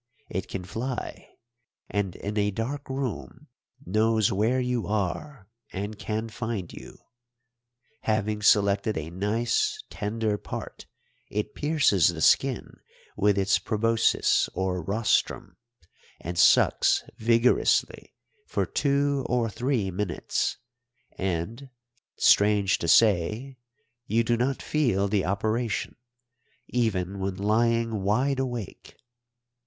It can fly, and in a dark room knows where you are and can find you. Having selected a nice tender part, it pierces the skin with its proboscis or rostrum, and sucks vigorously for two or three minutes, and, strange to say, you do not feel the operation, even when lying wide awake.